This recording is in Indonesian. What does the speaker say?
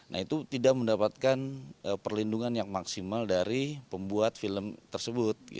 nah itu tidak mendapatkan perlindungan yang maksimal dari pembuat film tersebut